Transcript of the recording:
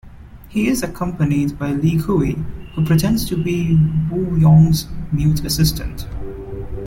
He is accompanied by Li Kui, who pretends to be Wu Yong's mute assistant.